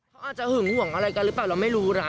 เขาอาจจะหึงห่วงอะไรกันหรือเปล่าเราไม่รู้นะ